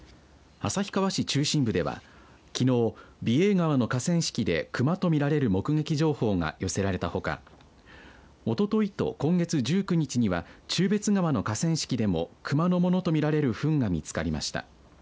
旭川市中心部ではきのう、美瑛川の河川敷でクマとみられる目撃情報が寄せられたほかおとといと今月１９日には忠別川の河川敷でもクマのものとみられるふんが見つかりました。